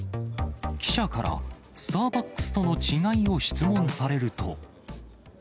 記者から、スターバックスとの違いを質問されると。